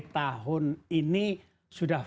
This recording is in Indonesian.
tahun ini sudah